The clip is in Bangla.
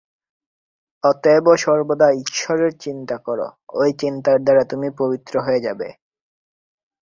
অতএব সর্বদা ঈশ্বরের চিন্তা কর, ঐ চিন্তার দ্বারা তুমি পবিত্র হয়ে যাবে।